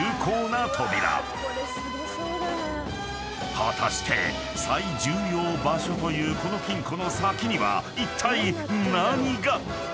［果たして最重要場所というこの金庫の先にはいったい何が⁉］